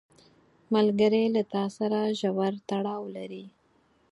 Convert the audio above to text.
ملګری له تا سره ژور تړاو لري